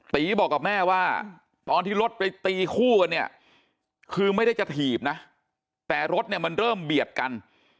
ตีบอกกับแม่ว่าตอนที่รถไปตีคู่กันเนี่ยคือไม่ได้จะถีบนะแต่รถเนี่ยมันเริ่มเบียดกัน